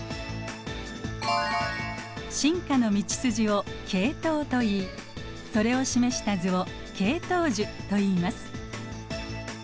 進化の道筋を系統といいそれを示した図を系統樹といいます。